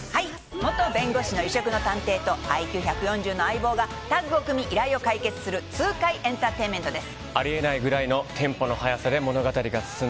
元弁護士の異色の探偵とＩＱ１４０の相棒がタッグを組み、依頼を解決するというする痛快エンターテインメントです。